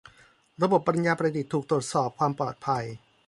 ระบบปัญญาประดิษฐ์ที่ถูกตรวจสอบความปลอดภัย